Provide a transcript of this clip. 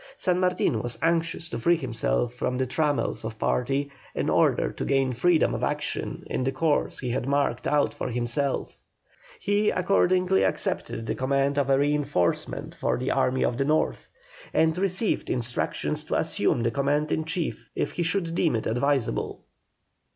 San Martin was anxious to free himself from the trammels of party in order to gain freedom of action in the course he had marked out for himself; he accordingly accepted the command of a reinforcement for the army of the North, and received instructions to assume the command in chief if he should deem it advisable.